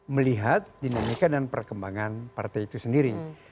melihat dinamika dan perkembangan partai itu sendiri